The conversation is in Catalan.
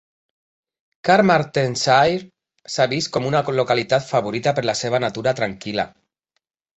Carmarthenshire s'ha vist com una localitat favorita per la seva natura tranquil·la.